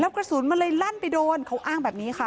กระสุนมันเลยลั่นไปโดนเขาอ้างแบบนี้ค่ะ